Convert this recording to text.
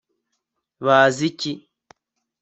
bazi iki